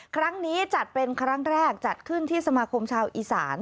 ครั้งนี้จัดเป็นครั้งแรกจัดขึ้นที่สมาคมชาวอีสาน